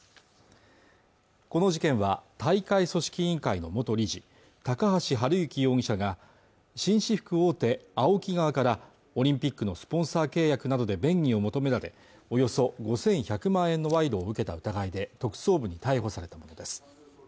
この事件は大会組織委員会の元理事高橋治之容疑者が紳士服大手ＡＯＫＩ側からオリンピックのスポンサー契約などで便宜を求められおよそ５１００万円の賄賂を受けた疑いで特捜部に逮捕されたものです